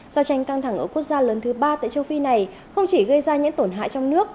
giao tranh căng thẳng ở quốc gia lớn thứ ba tại châu phi này không chỉ gây ra những tổn hại trong nước